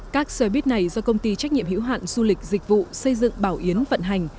các xe buýt này do công ty trách nhiệm hữu hạn du lịch dịch vụ xây dựng bảo yến vận hành